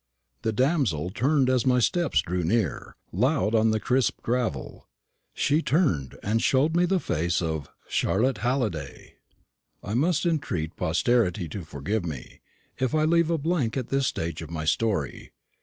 The damsel turned as my steps drew near, loud on the crisp gravel. She turned, and showed me the face of Charlotte Halliday. I must entreat posterity to forgive me, if I leave a blank at this stage of my story.